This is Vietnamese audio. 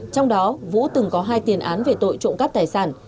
trong đó vũ từng có hai tiền án về tội trộm cắp tài sản